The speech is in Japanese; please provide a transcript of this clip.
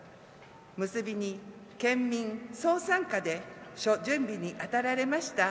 結びに、県民総参加で諸準備に当たられました